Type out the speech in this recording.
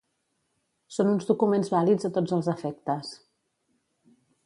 Són uns documents vàlids a tots els efectes.